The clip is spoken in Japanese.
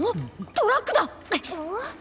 トラック？